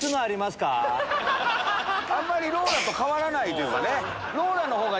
あんまりローラと変わらないというかね。